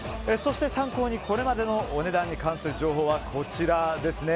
そして参考にこれまでのお値段に関する情報はこちら。